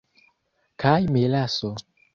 Kaj melaso!